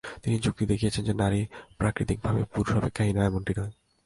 তিনি যুক্তি দেখিয়েছেন যে নারী প্রাকৃতিকভাবেই পুরুষ অপেক্ষা হীন, এমনটি নয়।